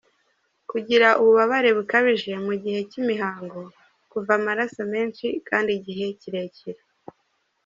Kugira ububabare bukabije mu gihe cy’imihango, kuva amaraso menshi kandi igihe kirekire.